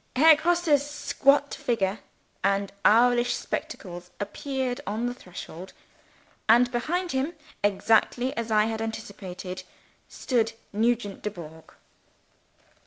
Herr Grosse's squat figure and owlish spectacles appeared on the threshold. And behind him (exactly as I had anticipated) stood Nugent Dubourg.